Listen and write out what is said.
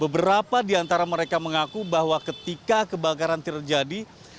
beberapa di antara mereka mengaku bahwa ketika kebakaran terjadi